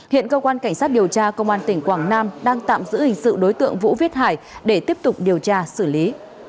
hiện cơ quan cảnh sát điều tra công an tỉnh quảng nam đang tạm giữ hình sự đối tượng vũ viết hải để tiếp tục điều tra xử lý